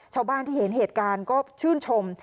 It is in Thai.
ชาวบ้านที่เห็นเหตุการณ์ก็ชื่นชม